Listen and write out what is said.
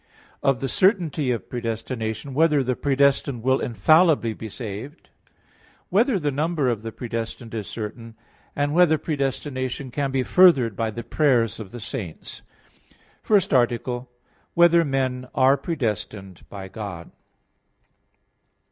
(6) of the certainty of predestination; whether the predestined will infallibly be saved? (7) Whether the number of the predestined is certain? (8) Whether predestination can be furthered by the prayers of the saints? _______________________ FIRST ARTICLE [I, Q. 23, Art. 1] Whether Men Are Predestined by God?